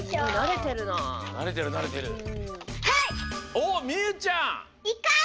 おっみゆちゃん。